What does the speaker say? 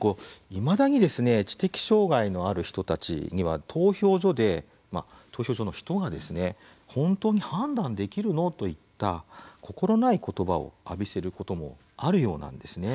いまだに知的障害のある人たちには投票所で投票所の人がですね「本当に判断できるの？」といった心ない言葉を浴びせることもあるようなんですね。